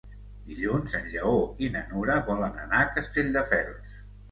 Dilluns en Lleó i na Nura volen anar a Castelldefels.